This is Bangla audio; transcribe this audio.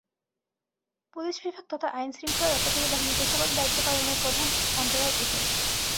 পুলিশ বিভাগ তথা আইনশৃঙ্খলা রক্ষাকারী বাহিনীর পেশাগত দায়িত্ব পালনের প্রধান অন্তরায়ও এটি।